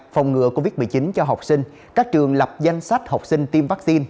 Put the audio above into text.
phòng ngừa covid một mươi chín cho học sinh các trường lập danh sách học sinh tiêm vaccine